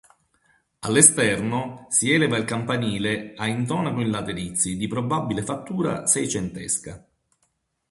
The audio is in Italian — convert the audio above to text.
All'esterno si eleva il campanile a intonaco in laterizi di probabile fattura seicentesca.